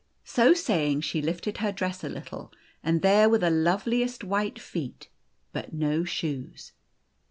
So saying, she lifted her dress a little, and there were the loveliest white feet, but no shoes.